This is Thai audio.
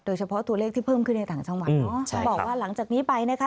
โดยเฉพาะตัวเลขที่เพิ่มขึ้นในต่างจังหวัดเนาะ